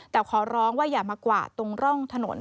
แต่ขอร้องว่าอย่ามากวาดตรงร่องถนน